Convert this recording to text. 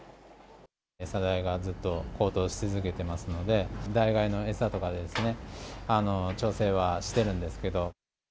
餌代がずっと高騰し続けてますので、代替えの餌とかで調整はしてるんですけど。